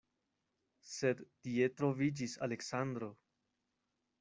Sed tie troviĝis Aleksandro.